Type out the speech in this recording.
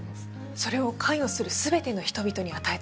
それを関与する全ての人々に与え続ける。